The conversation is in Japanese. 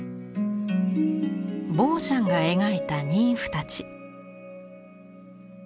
ボーシャンが描いたニンフたち。